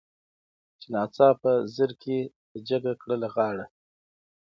چي ناڅاپه زرکي جګه کړله غاړه